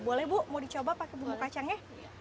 boleh bu mau dicoba pakai bumbu kacang ya